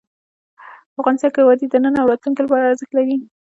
افغانستان کې وادي د نن او راتلونکي لپاره ارزښت لري.